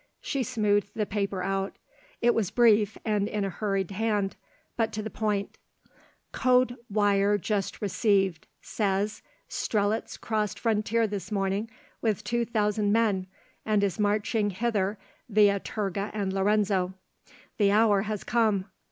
She smoothed the paper out. It was brief and in a hurried hand, but to the point: _Code wire just received says, Strelitz crossed frontier this morning with two thousand men and is marching hither via Turga and Lorenzo. The hour has come.